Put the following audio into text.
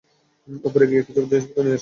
উপরে গিয়ে কিছু জিনিসপত্র নিয়ে আসছি।